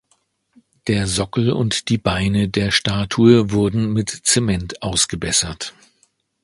Der Sockel und die Beine der Statue wurden mit Zement ausgebessert.